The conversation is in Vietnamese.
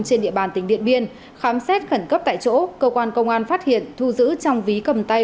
trên địa bàn tỉnh điện biên khám xét khẩn cấp tại chỗ cơ quan công an phát hiện thu giữ trong ví cầm tay